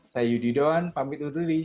saya yudi doan pamit unduli